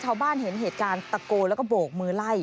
ชาวบ้านเห็นเหตุการณ์ตะโกนแล้วก็โบกมือไล่